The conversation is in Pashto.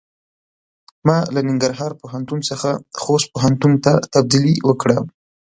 ما له ننګرهار پوهنتون څخه خوست پوهنتون ته تبدیلي وکړۀ.